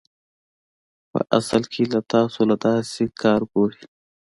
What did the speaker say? پۀ اصل کښې تاسو له داسې کار ګوري